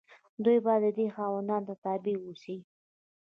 دوی باید د دې خاوندانو تابع واوسي.